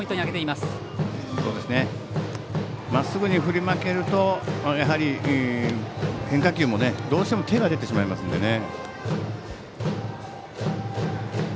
まっすぐに振り負けると変化球もどうしても手が出てしまいますのでね。